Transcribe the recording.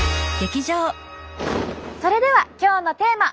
それでは今日のテーマ。